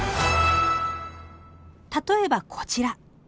例えばこちら。